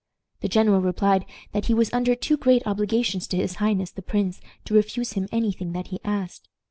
The general replied that he was under too great obligations to his highness the prince to refuse him any thing that he asked.